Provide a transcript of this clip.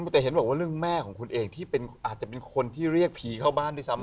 แต่เห็นบอกว่าเรื่องแม่ของคุณเองที่อาจจะเป็นคนที่เรียกผีเข้าบ้านด้วยซ้ำ